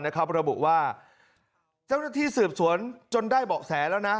ระบุว่าเจ้าหน้าที่สืบสวนจนได้เบาะแสแล้วนะ